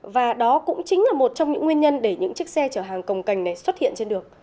và đó cũng chính là một trong những nguyên nhân để những chiếc xe chở hàng cồng cành này xuất hiện trên đường